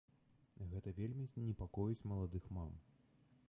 Гэта вельмі непакоіць маладых мам.